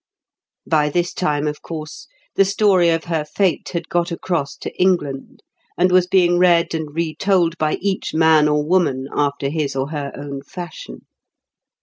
By this time, of course, the story of her fate had got across to England, and was being read and retold by each man or woman after his or her own fashion.